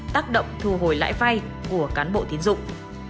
tác động thu hồi lãi vay của cán bộ tiến dụng